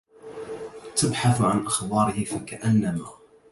تبحثت عن أخباره فكأنما